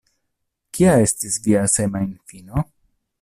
Kia estis via semajnfino?